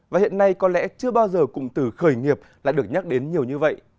và hiện nay có lẽ chưa bao giờ cụm từ khởi nghiệp lại được nhắc đến nhiều như vậy